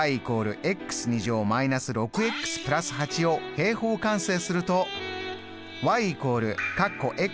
を平方完成すると。